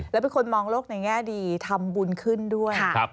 และเป็นคนมองโลกในแง่ดีทำบุญขึ้นด้วย